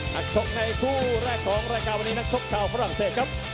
นักชกในกลุ่มใดนักชกของการมือเวลาการนี้นักชกชาวฝรั่งเศสครับ